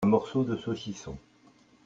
Un morceau de saucisson.